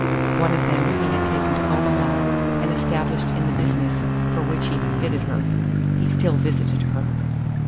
One of them he had taken to Omaha and established in the business for which he had fitted her. He still visited her.